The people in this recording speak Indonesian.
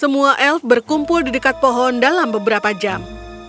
semua elf berkumpul di dekat pohon dalam beberapa jam